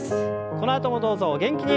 このあともどうぞお元気に。